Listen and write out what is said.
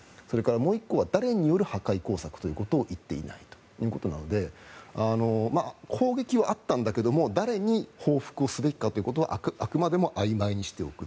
もう１個は、誰による破壊工作か言ってないということで攻撃はあったんだけども誰に報復すべきかということはあくまでもあいまいにしておく。